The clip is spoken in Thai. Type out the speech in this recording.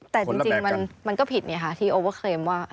แต่จริงมันก็ผิดที่โอเวอร์เคลมว่า